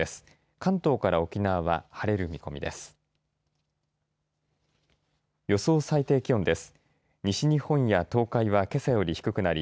関東から沖縄は晴れる見込みです。